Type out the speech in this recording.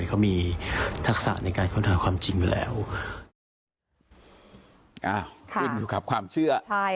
เขามีทักษะในการค้นหาความจริงแล้วอ่าขึ้นอยู่กับความเชื่อใช่